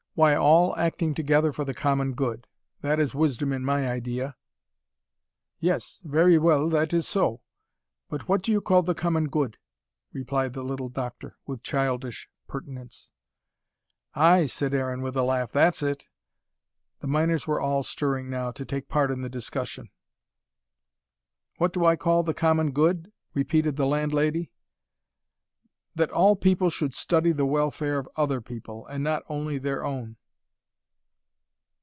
"Why all acting together for the common good. That is wisdom in my idea." "Yes, very well, that is so. But what do you call the common good?" replied the little doctor, with childish pertinence. "Ay," said Aaron, with a laugh, "that's it." The miners were all stirring now, to take part in the discussion. "What do I call the common good?" repeated the landlady. "That all people should study the welfare of other people, and not only their own."